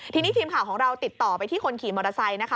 ทีนี้ทีมข่าวของเราติดต่อไปที่คนขี่มอเตอร์ไซค์นะคะ